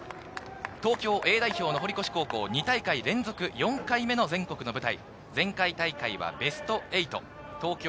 東京Ａ代表の堀越高校、２大会連続４回目の全国の舞台。